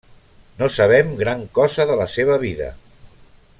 No sabem gran cosa de la seva vida.